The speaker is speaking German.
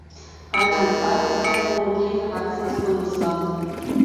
Rheinland-Pfalz ist kein homogen gewachsenes Bundesland.